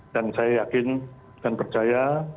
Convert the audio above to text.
dan saya yakin dan percaya